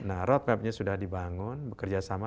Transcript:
nah road mapnya sudah dibangun bekerjasama